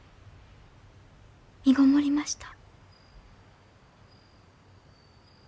身ごもりました。